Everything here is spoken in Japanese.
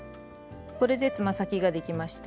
これでつま先ができました。